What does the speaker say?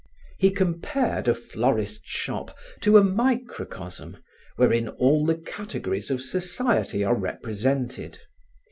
He compared a florist's shop to a microcosm wherein all the categories of society are represented.